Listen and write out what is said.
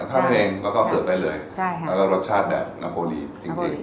ทำเองแล้วก็เสิร์ฟไปเลยแล้วก็รสชาติแบบนาโบรีจริง